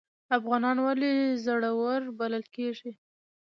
افغانان ولې زړور بلل کیږي؟